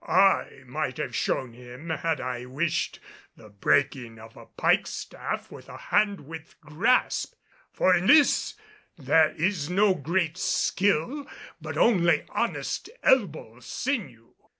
I might have shown him, had I wished, the breaking of a pike staff with a hand width grasp; for in this there is no great skill but only honest elbow sinew.